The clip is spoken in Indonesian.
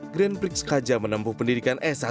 grant briggs kajah menempuh pendidikan s satu